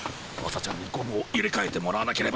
朝ちゃんにゴムを入れかえてもらわなければ。